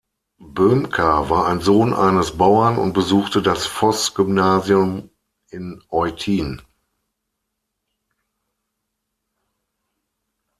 Böhmcker war ein Sohn eines Bauern und besuchte das Voß-Gymnasium in Eutin.